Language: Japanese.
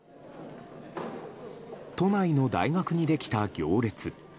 都内の大学にできた行列。